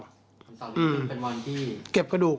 คือเป็นวันที่เก็บกระดูก